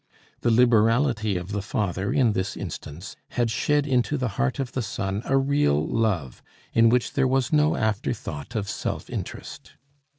The liberality of the father in this instance had shed into the heart of the son a real love, in which there was no afterthought of self interest.